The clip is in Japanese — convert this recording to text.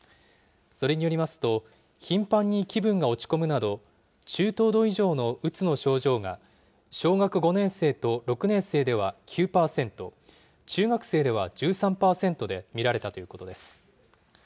それによりますと、頻繁に気分が落ち込むなど、中等度以上のうつの症状が、小学５年生と６年生では９％、中学生では１３％で見られたということです。